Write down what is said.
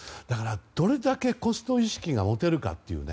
だから、どれだけコスト意識が持てるか。